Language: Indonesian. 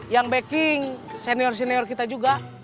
yang backing senior senior kita juga